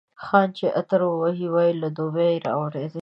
خان چي عطر ووهي، وايي له دوبۍ یې راوړی دی.